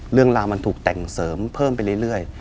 เรื่องราวทำเสริมเปิดไปเรื่อย